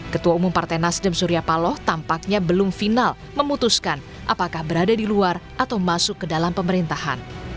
ketua umum partai nasdem surya paloh tampaknya belum final memutuskan apakah berada di luar atau masuk ke dalam pemerintahan